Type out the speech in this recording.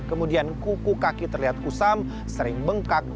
kemudian kuku kaki terlihat kusam sering bengkak